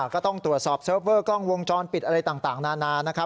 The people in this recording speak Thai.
ก็ต้องตรวจสอบเซิร์ฟเวอร์กล้องวงจรปิดอะไรต่างนานานะครับ